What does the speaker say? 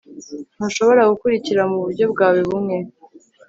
Ntushobora gukurikira muburyo bwawe bumwe